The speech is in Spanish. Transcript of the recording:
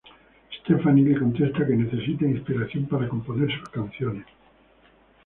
Stefani le contesta que necesita inspiración para componer sus canciones.